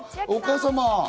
お母様！